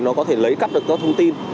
nó có thể lấy cắp được các thông tin